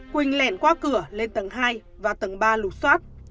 quỳnh lẻn qua cửa lên tầng hai và tầng ba lục xoát